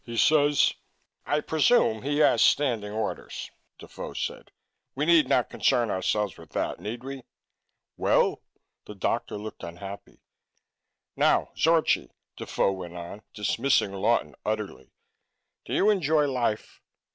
He says " "I presume he has standing orders," Defoe said. "We need not concern ourselves with that, need we?" "Well " The doctor looked unhappy. "Now, Zorchi," Defoe went on, dismissing Lawton utterly, "do you enjoy life?"